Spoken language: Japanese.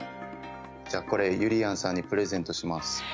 じゃあこれゆりやんさんにプレゼントします。